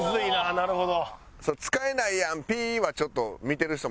なるほど。